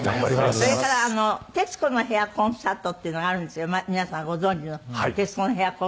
それから『徹子の部屋コンサート』っていうのがあるんですけど皆さんご存じの『徹子の部屋コンサート』。